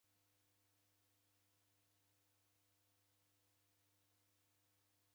W'andu w'engi w'apwana ikanisenyi ituku ja Krismasi.